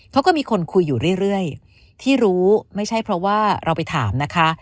เขาก็มีคนคุยอยู่เรื่อยที่รู้ไม่ใช่เพราะว่าเราไปถามนะคะ